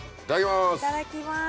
いただきます。